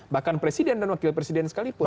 bahkan presiden dan wakil presiden sekalipun